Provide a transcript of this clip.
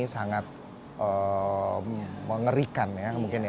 sangat mengerikan ya mungkin ya